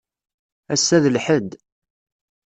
Assa d lḥedd.